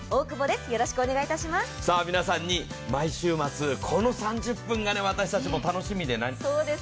皆さんに毎週末、この３０分が私たちも楽しみで。